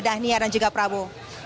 dan nia dan juga prabowo